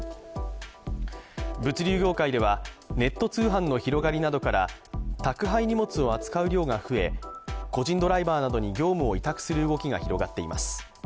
物流業界ではネット通販の広がりなどから宅配荷物を扱う量が増え、個人ドライバーなどに業務を委託する動きが広がっています。